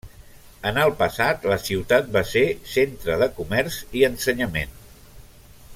En el passat, la ciutat va ser centre de comerç i ensenyament.